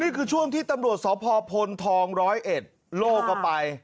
นี่คือช่วงที่ตำรวจสพพลทองร้อยเอ็ดโลกออกไป